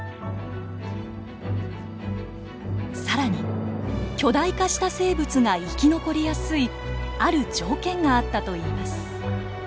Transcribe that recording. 更に巨大化した生物が生き残りやすいある条件があったといいます。